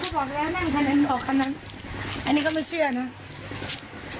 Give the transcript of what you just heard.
บอกแล้วนั่งคันนั้นออกคันนั้นอันนี้ก็ไม่เชื่อเนอะ